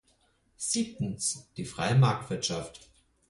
Siebtens, die freie Marktwirtschaft.